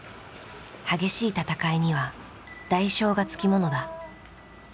激しい戦いには代償が付き物だ。